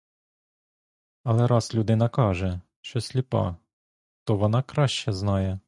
Але раз людина каже, що сліпа, то вона краще знає.